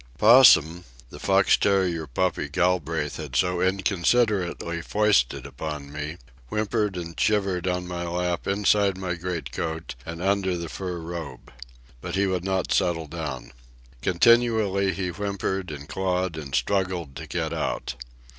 Possum, the fox terrier puppy Galbraith had so inconsiderately foisted upon me, whimpered and shivered on my lap inside my greatcoat and under the fur robe. But he would not settle down. Continually he whimpered and clawed and struggled to get out.